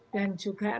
dan juga relasi